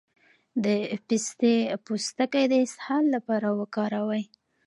د پسته پوستکی د اسهال لپاره وکاروئ